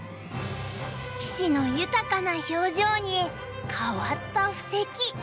棋士の豊かな表情に変わった布石。